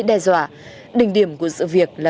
đe dọa đình điểm của sự việc là